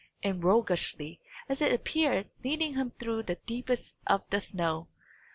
and roguishly, as it appeared, leading him through the deepest of the snow.